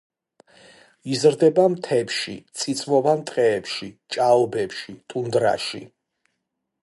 იზრდება მთებში, წიწვოვან ტყეებში, ჭაობებში, ტუნდრაში.